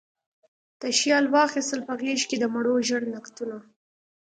تشیال واخیستل په غیږکې، د مڼو ژړ نګهتونه